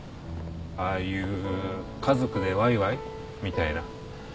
ああいう家族でわいわいみたいな。